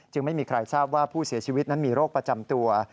ไม่มีใครทราบว่าผู้เสียชีวิตนั้นมีโรคประจำตัว